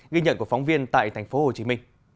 ghi nhận của phóng viên tại tp hcm